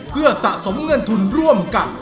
เพื่อสะสมเงินทุนร่วมกัน